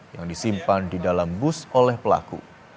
yang disimpan di dalam bus oleh pelaku